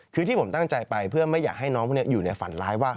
คือที่ผมตั้งใจไปเพื่อไม่อยากให้น้องพวกนี้อยู่ในฝันร้ายว่า